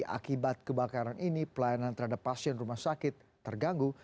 akibat kebakaran ini pelayanan terhadap pasien rumah sakit terganggu